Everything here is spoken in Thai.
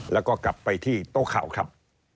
แล้วก็กลับไปที่โต๊ะข่าวครับ